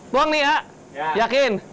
tuang nih ya yakin